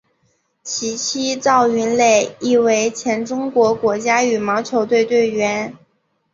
其妻赵芸蕾亦为前中国国家羽毛球队队员。